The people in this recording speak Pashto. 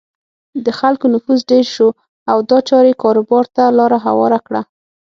د خلکو نفوس ډېر شو او دا چارې کاروبار ته لاره هواره کړه.